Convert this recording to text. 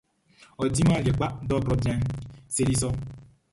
Ɔ diman aliɛ kpa, dɔrtrɔ bianʼn seli sɔ.